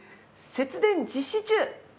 節電実施中！